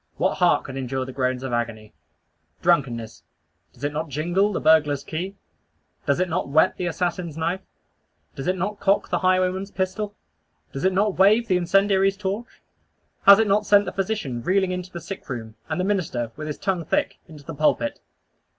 What heart could endure the groans of agony! Drunkenness: Does it not jingle the burglar's key? Does it not whet the assassin's knife? Does it not cock the highwayman's pistol? Does it not wave the incendiary's torch? Has it not sent the physician reeling into the sick room; and the minister, with his tongue thick, into the pulpit?